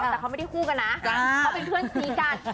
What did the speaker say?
แต่เขาไม่ได้คู่กันนะ